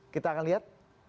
kita akan lihat